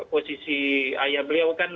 posisi ayah beliau kan